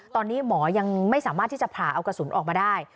ตอนนี้หมอยังไม่สามารถที่จะผ่าเอากระสุนออกมาได้